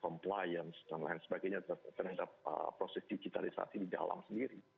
compliance dan lain sebagainya terhadap proses digitalisasi di dalam sendiri